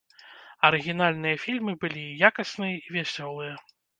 Арыгінальныя фільмы былі і якасныя і вясёлыя.